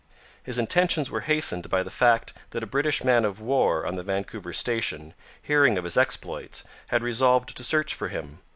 His intentions were hastened by the fact that a British man of war on the Vancouver station, hearing of his exploits, had resolved to search for him.